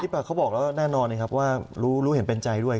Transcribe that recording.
ปากเขาบอกแล้วแน่นอนนะครับว่ารู้เห็นเป็นใจด้วย